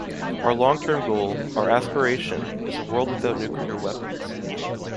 Our long-term goal, our aspiration, is a world without nuclear weapons.